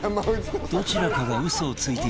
どちらかが嘘をついている事になるが